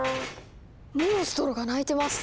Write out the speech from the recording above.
モンストロが鳴いてます！